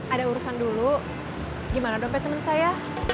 ada urusan dulu gimana dompet temen saya